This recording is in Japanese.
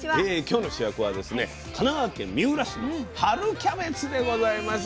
今日の主役はですね神奈川県三浦市の春キャベツでございます。